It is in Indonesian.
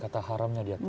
ada kata haramnya di atas